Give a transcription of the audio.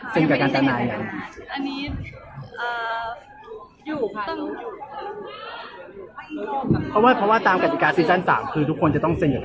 ยังค่ะยังแต่ว่าก็คือถ้าสมมุติว่าผู้ใหญ่เขาเอ่อเขาเรียกว่าอะไรไม่ชอบอะไรเขาไม่ให้เราชนะทำเป็นสุดท้ายหรือคะ